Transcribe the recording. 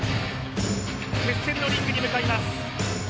決戦のリングに向かいます。